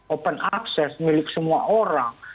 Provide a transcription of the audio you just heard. open access milik semua orang